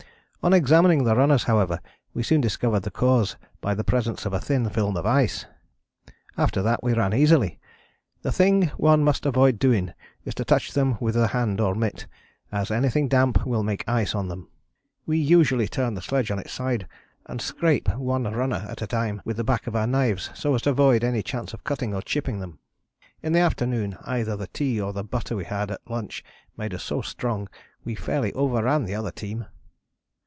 On examining the runners however we soon discovered the cause by the presence of a thin film of ice. After that we ran easily. The thing one must avoid doing is to touch them with the hand or mitt, as anything damp will make ice on them. We usually turn the sledge on its side and scrape one runner at a time with the back of our knives so as to avoid any chance of cutting or chipping them. In the afternoon either the tea or the butter we had at lunch made us so strong that we fairly overran the other team."